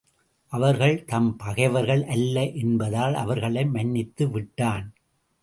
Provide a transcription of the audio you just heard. அவர்கள் தம் பகைவர்கள் அல்ல என்பதால் அவர்களை மன்னித்து விட்டான்.